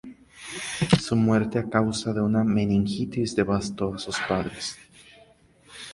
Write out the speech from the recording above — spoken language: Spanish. Su muerte a causa de una meningitis devastó a sus padres.